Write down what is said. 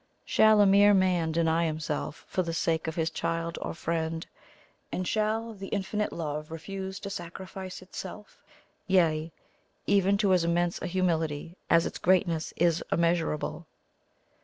Shall a mere man deny himself for the sake of his child or friend? and shall the Infinite Love refuse to sacrifice itself yea, even to as immense a humility as its greatness is immeasurable?